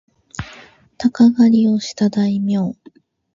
鷹狩をした大名